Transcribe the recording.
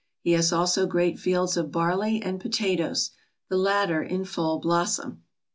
He has also great fields of barley and potatoes, the latter in full blossom.